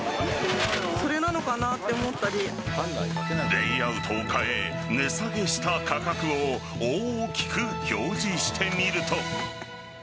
レイアウトを変え値下げした価格を大きく表示してみると。